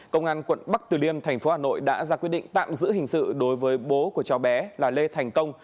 công an quận bắc từ liêm thành phố hà nội đã ra quyết định tạm giữ hình sự đối với bố của cháu bé là lê thành công